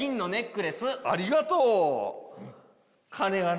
ありがとう！いや。